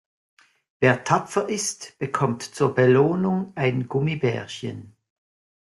Wer tapfer ist, bekommt zur Belohnung ein Gummibärchen.